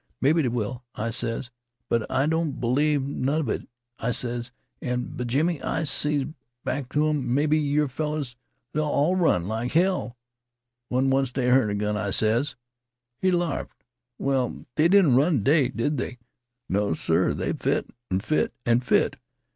'Mebbe they will,' I ses, 'but I don't b'lieve none of it,' I ses; 'an' b'jiminey,' I ses back t' 'um, 'mebbe your fellers 'll all run like hell when they onct hearn a gun,' I ses. He larfed. Well, they didn't run t' day, did they, hey? No, sir! They fit, an' fit, an' fit."